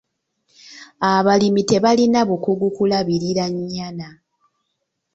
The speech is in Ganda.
Abalimi tebalina bukugu kulabirira nnyana.